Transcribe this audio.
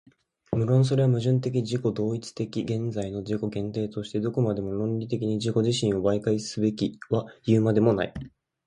無論それは矛盾的自己同一的現在の自己限定としてどこまでも論理的に自己自身を媒介すべきはいうまでもない。